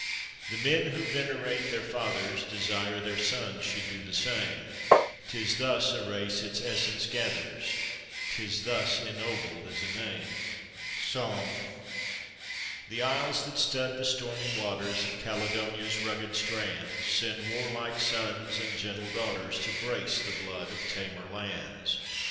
The men who venerate their fathers, Desire their sons should do the same, ;Tis thus a race its essence gathers, 'Tis thus ennobled is a name! SONG. The Isles that stud the stormy waters Of Caledonia's rugged strands, Send warlike sons and gentle daughters To brace the blood of tamer lands.